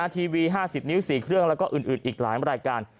ทีวี๕๐นิ้ว๔เครื่องแล้วก็อื่นอีกหลายรายการ